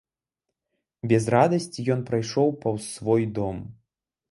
Без радасці ён прайшоў паўз свой дом.